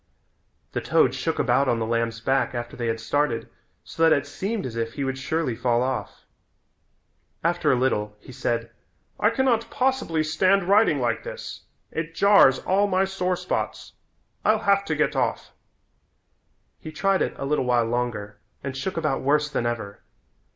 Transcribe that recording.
The toad shook about on the lamb's back after they had started so that it seemed as if he would surely fall off. After a little he said, "I can not possibly stand riding like this. It jars all my sore spots. I'll have to get off." He tried it a little while longer and shook about worse than ever.